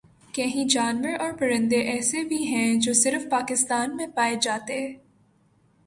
کہیں جانور اور پرندے ایسے بھی ہیں جو صرف پاکستان میں پائے جاتے